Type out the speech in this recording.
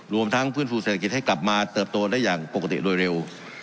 รวมทั้งฟื้นฟูเศรษฐกิจให้กลับมาเติบโตได้อย่างปกติโดยเร็ว